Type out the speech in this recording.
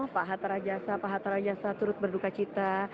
pak hatta rajasa pak hatta rajasa turut berduka cita